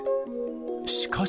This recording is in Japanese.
しかし。